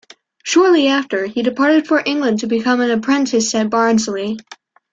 Shortly after, he departed for England to be an apprentice at Barnsley.